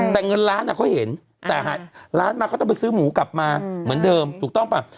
แต่เงินล้านเขาเห็นแต่ล้านมาก็ต้องไปซื้อหมูกลับมาเหมือนเดิมถูกต้องป่ะ